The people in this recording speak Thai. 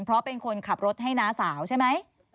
เพราะเป็นคนขับรถให้น้าสาวใช่ไหม